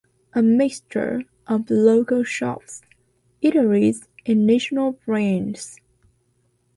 A mixture of local shops, eateries and national brands.